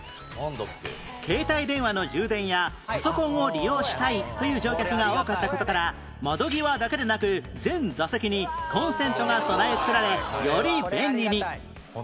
携帯電話の充電やパソコンを利用したいという乗客が多かった事から窓際だけでなく全座席にコンセントが備え付けられより便利に